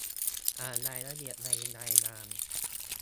อ่านรายละเอียดในรายงาน